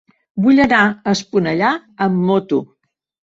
Vull anar a Esponellà amb moto.